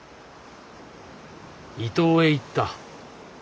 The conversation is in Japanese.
伊東へ行った。